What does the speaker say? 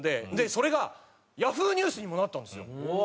それがＹａｈｏｏ！ニュースにもなったんですよ。